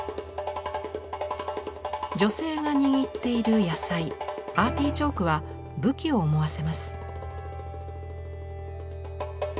女性が握っている野菜アーティチョークは武器を思わせます。